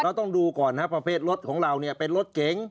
เราต้องดูก่อนครับประเภทจะเป็นเก๋ง